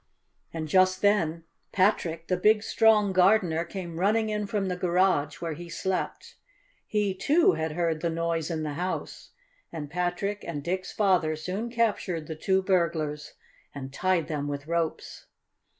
And just then Patrick, the big, strong gardener, came running in from the garage, where he slept. He, too, had heard the noise in the house. And Patrick and Dick's father soon captured the two burglars, and tied them with ropes.